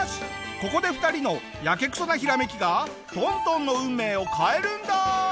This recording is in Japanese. ここで２人のヤケクソなひらめきが東東の運命を変えるんだ！